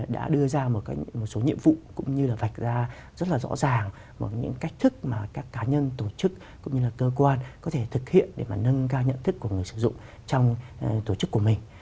đã đưa ra một số nhiệm vụ cũng như là vạch ra rất là rõ ràng một những cách thức mà các cá nhân tổ chức cũng như là cơ quan có thể thực hiện để mà nâng cao nhận thức của người sử dụng trong tổ chức của mình